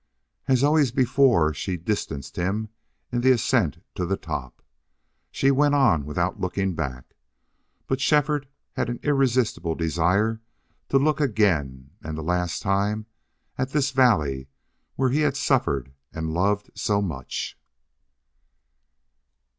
As always before, she distanced him in the ascent to the top. She went on without looking back. But Shefford had an irresistible desire to took again and the last time at this valley where he had suffered and loved so much.